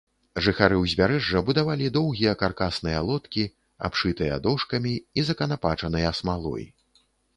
Жыхары ўзбярэжжа будавалі доўгія каркасныя лодкі, абшытыя дошкамі і заканапачаныя смалой.